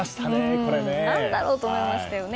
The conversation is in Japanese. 何だろうと思いましたよね。